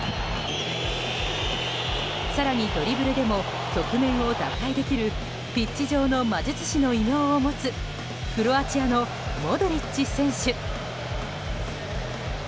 更にドリブルでも局面を打開できるピッチ上の魔術師の異名を持つクロアチアのモドリッチ選手。